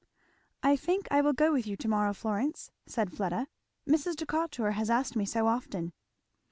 "I think I will go with you to morrow, Florence," said Fleda; "Mrs. Decatur has asked me so often."